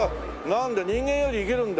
なんだ人間より生きるんだ。